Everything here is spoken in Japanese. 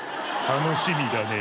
楽しみだね。